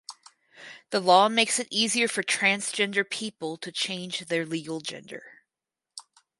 The law makes it easier for transgender people to change their legal gender.